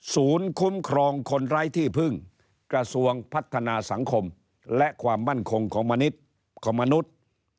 ศูนย์คุ้มครองคนร้ายที่พึ่งกระทรวงพัฒนาสังคมและความมั่นคงของมนุษย์